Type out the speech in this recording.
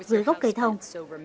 dưới gốc cây thông